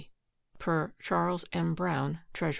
per CHAS. M. BROWN, Treas.